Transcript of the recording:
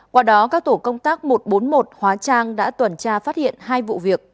qua đó các tổ công tác một trăm bốn mươi một hóa trang đã tuần tra phát hiện hai vụ việc